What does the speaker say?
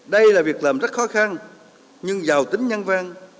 đây là việc làm rất khó khăn nhưng giàu tính nhanh vang